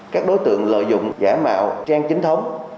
các đối tượng lợi dụng giả mạo trang chính thống